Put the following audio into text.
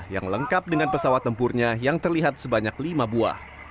yang lengkap dengan pesawat tempurnya yang terlihat sebanyak lima buah